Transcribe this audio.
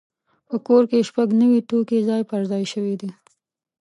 په کور کې شپږ نوي توکي ځای پر ځای شوي دي.